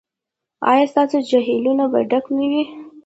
ایا ستاسو جهیلونه به ډک نه وي؟